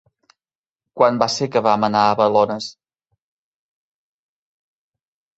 Quan va ser que vam anar a Balones?